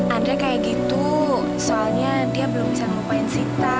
andre kayak gitu soalnya dia belum bisa ngelupain sita